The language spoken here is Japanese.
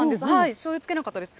しょうゆつけなかったです。